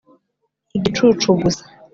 igicucu gusa.